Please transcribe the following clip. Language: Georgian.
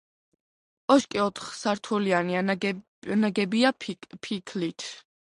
კოშკი ოთხსართულიანია, ნაგებია ფიქლით.